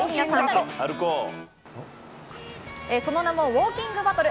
その名もウオーキングバトル。